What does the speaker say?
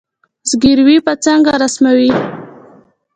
زګیروي به څنګه رسموي